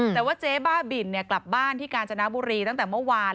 แต่ว่าเจ๊บ้าบินกลับบ้านที่กาญจนบุรีตั้งแต่เมื่อวาน